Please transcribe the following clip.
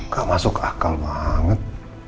gak masuk akal banget